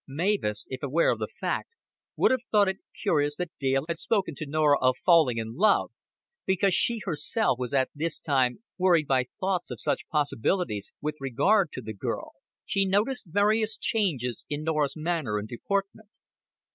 Mavis, if aware of the fact, would have thought it curious that Dale had spoken to Norah of falling in love, because she herself was at this time worried by thoughts of such possibilities with regard to the girl. She noticed various changes in Norah's manner and deportment.